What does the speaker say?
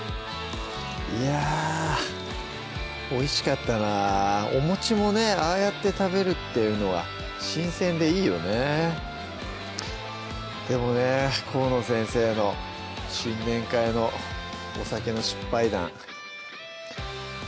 いやぁおいしかったなおもねああやって食べるっていうのは新鮮でいいよねでもね河野先生の新年会のお酒の失敗談